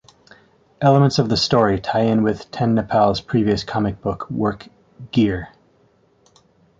Elements of the story tie in with TenNapel's previous comic book work "Gear".